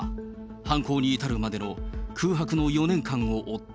犯行に至るまでの空白の４年間を追った。